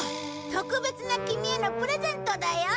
特別なキミへのプレゼントだよ。